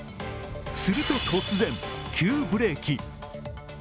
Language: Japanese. すると突然、急ブレーキ。